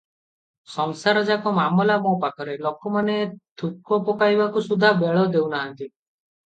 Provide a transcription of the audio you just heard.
ସଂସାର ଯାକ ମାମଲା ମୋ ପାଖରେ ଲୋକମାନେ ଥୁକ ପକାଇବାକୁ ସୁଦ୍ଧା ବେଳ ଦେଉନାହିଁନ୍ତି ।